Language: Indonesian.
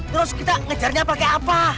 terus kita ngejarnya pakai apa